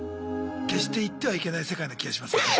決して行ってはいけない世界な気はしますけどね。